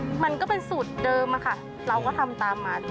มันก็เป็นสูตรเดิมอะค่ะเราก็ทำตามมัน